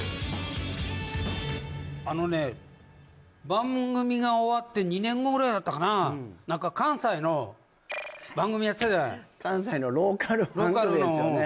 番組が終わって２年後ぐらいだったかな関西の番組やってたじゃない関西のローカル番組ですよね